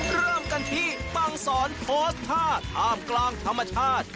เริ่มกันที่ปังสอนโพสต์ท่าท่ามกลางธรรมชาติ